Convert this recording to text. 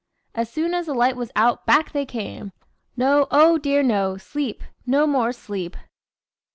As soon as the light was out back they came. No! oh, dear no! sleep! no more sleep.